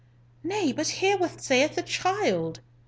"Nay, but hear what saith the child?"